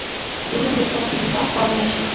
দেহের মৃত্যু আছে, কিন্তু আত্মা অবিনাশী।